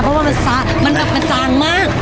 เพราะว่ามันสางมาก